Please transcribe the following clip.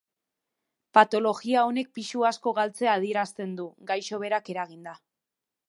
Patologia honek pisu asko galtzea adierazten du, gaixo berak eraginda.